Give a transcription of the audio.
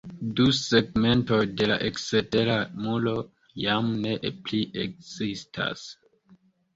Du segmentoj de la ekstera muro jam ne plu ekzistas.